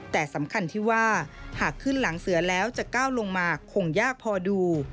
แต่สำคัญที่ว่าหากขึ้นหลังเสือแล้วจะก้าวลงมาคงยากพอดู